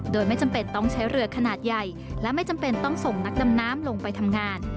โดยไม่จำเป็นต้องใช้เรือขนาดใหญ่และไม่จำเป็นต้องส่งนักดำน้ำลงไปทำงาน